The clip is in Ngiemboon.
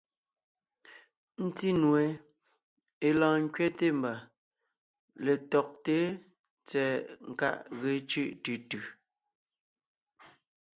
Ńtí nue (é lɔɔn ńkẅɛte mbà) letɔgté tsɛ̀ɛ nkáʼ ge cʉ́ʼ tʉ tʉ.